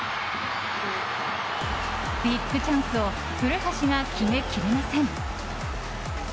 ビッグチャンスを古橋が決めきれません。